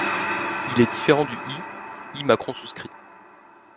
Il est différent du I̱, I macron souscrit.